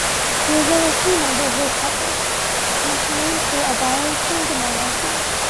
He is a listed member of Republic, the campaign for abolishing the monarchy.